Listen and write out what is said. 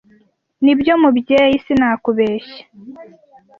Nibyo mubyeyi sinakubeshya